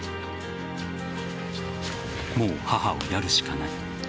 もう母をやるしかない。